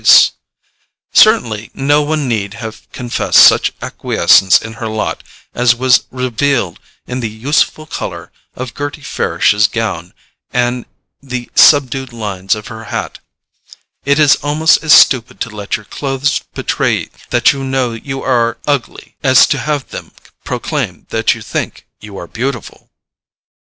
Certainly no one need have confessed such acquiescence in her lot as was revealed in the "useful" colour of Gerty Farish's gown and the subdued lines of her hat: it is almost as stupid to let your clothes betray that you know you are ugly as to have them proclaim that you think you are beautiful.